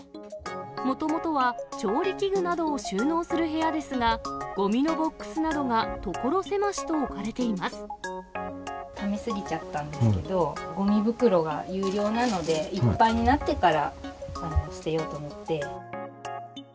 もともとは調理器具などを収納する部屋ですが、ごみのボックため過ぎちゃったんですけど、ごみ袋が有料なので、いっぱいになってから捨てようと思って。